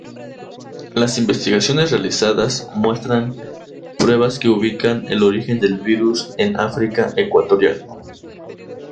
Las investigaciones realizadas muestran pruebas que ubican el origen del virus en África ecuatorial.